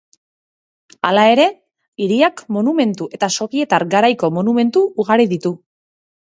Hala ere, hiriak monumentu eta sobietar garaiko monumentu ugari ditu.